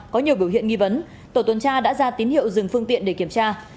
có nhiều biểu hiện nghi vấn tổ tuần tra đã ra tín hiệu dừng phương tiện để kiểm tra